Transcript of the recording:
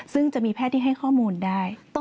ซึ่งจะมีแพทย์ที่ให้ข้อมูลได้